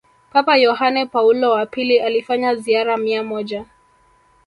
Papa Yohane Paulo wa pili alifanya ziara mia moja